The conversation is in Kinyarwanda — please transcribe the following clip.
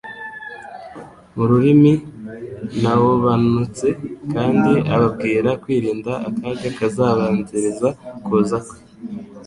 mu rurimi naobanutse kandi ababwira kwirinda akaga kazabanziriza kuza kwe.